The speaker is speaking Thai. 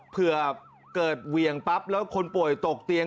เผื่อเกิดเหวี่ยงปั๊บแล้วคนป่วยตกเตียง